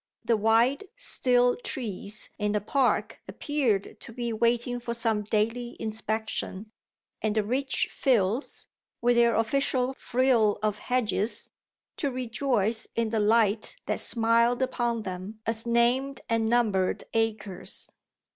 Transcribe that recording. The wide, still trees in the park appeared to be waiting for some daily inspection, and the rich fields, with their official frill of hedges, to rejoice in the light that smiled upon them as named and numbered acres.